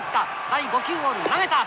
第５球を投げた。